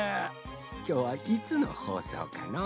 きょうはいつのほうそうかのう。